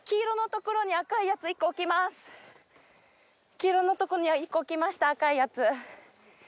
黄色のとこに１個置きました赤いやつ。